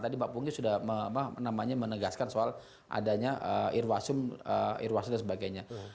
tadi mbak punggi sudah menegaskan soal adanya irwasium irwasia dan sebagainya